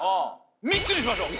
３つにしましょう！